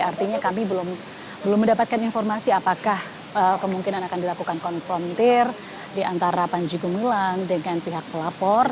artinya kami belum mendapatkan informasi apakah kemungkinan akan dilakukan konfrontir di antara panji gumilang dengan pihak pelapor